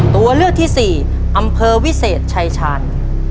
ตัวเลือกที่สี่อำเภอวิเศษชายชาญ